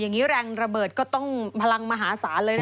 อย่างนี้แรงระเบิดก็ต้องพลังมหาศาลเลยนะ